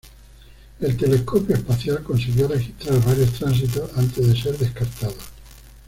El telescopio espacial consiguió registrar varios tránsitos antes de ser descartado.